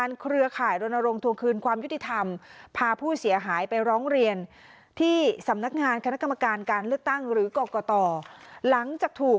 ในงานคณะกรรมการการเลือกตั้งหรือกรกตหลังจากถูก